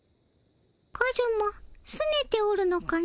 カズマすねておるのかの？